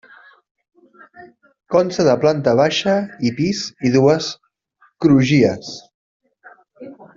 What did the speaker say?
Consta de planta baixa i pis i dues crugies.